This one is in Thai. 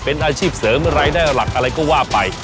เป็นอาชีพเสริมรายได้หลักอะไรก็ว่าไป